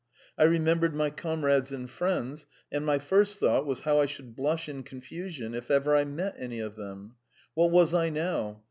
I remembered my comrades and friends, and my first thought was how I should blush in confusion if ever I met any of them. What was I now?